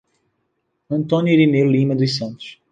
Antônio Irineu Lima dos Santos